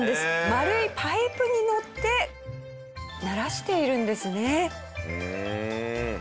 丸いパイプに乗ってならしているんですね。